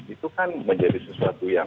itu kan menjadi sesuatu yang